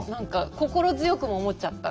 「心強くも思っちゃった」ね。